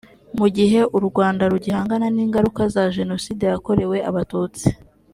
Mu gihe u Rwanda rugihangana n’ingaruka za Jenoside yakorewe Abatutsi